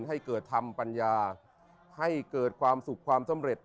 ให้เกิดธรรมปัญญาให้เกิดความสุขความสำเร็จ